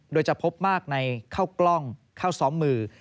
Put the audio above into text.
โดยจะพบมากในข้าวกล้องข้าวซ้อมมือ